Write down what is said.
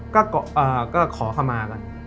ก็ขอคำมาก่อน